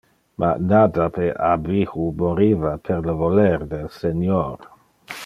Ma Nadab e Abihu moriva per le voler del Senior.